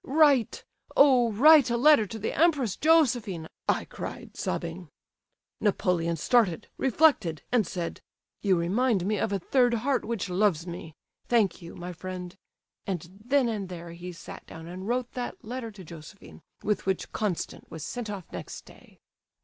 "'Write, oh, write a letter to the Empress Josephine!' I cried, sobbing. Napoleon started, reflected, and said, 'You remind me of a third heart which loves me. Thank you, my friend;' and then and there he sat down and wrote that letter to Josephine, with which Constant was sent off next day."